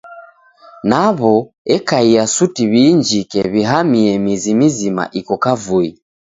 Naw'o ekaia suti w'iinjike, w'ihamie mizi mizima iko kavui.